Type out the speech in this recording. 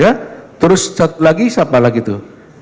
ya terus satu lagi siapa lagi itu